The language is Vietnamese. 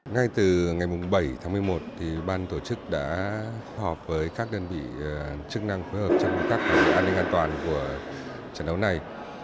ngay từ ngày bảy tháng một mươi một ban tổ chức đã phối hợp với các đơn vị chức năng phối hợp trong các an ninh an toàn của trận đấu này